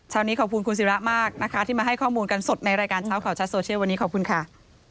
นี้ขอบคุณคุณศิรามากนะคะที่มาให้ข้อมูลกันสดในรายการเช้าข่าวชัดโซเชียลวันนี้ขอบคุณค่ะ